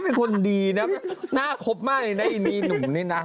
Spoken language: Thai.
ก็เป็นคนดีนะน่าคบมากเลยนะอีหนูนี่นะ